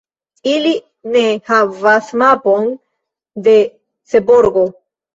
Ili ne havas mapon de Seborgo.